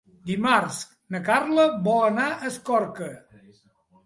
Dimarts na Carla vol anar a Escorca.